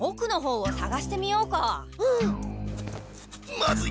まずい！